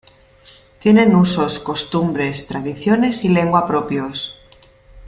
Tienen usos, costumbres, tradiciones y lengua propios.